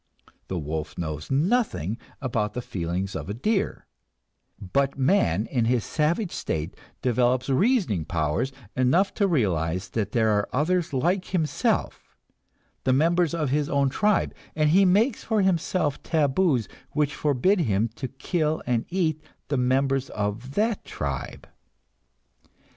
The wolf knows nothing about the feelings of a deer; but man in his savage state develops reasoning powers enough to realize that there are others like himself, the members of his own tribe, and he makes for himself taboos which forbid him to kill and eat the members of that tribe.